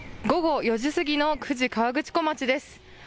午後４時過ぎの富士河口湖町です。